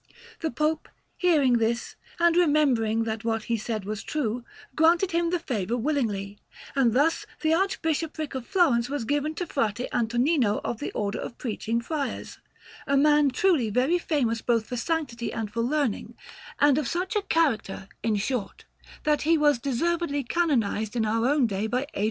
The Pope, hearing this and remembering that what he said was true, granted him the favour willingly; and thus the Archbishopric of Florence was given to Frate Antonino of the Order of Preaching Friars, a man truly very famous both for sanctity and for learning, and of such a character, in short, that he was deservedly canonized in our own day by Adrian VI.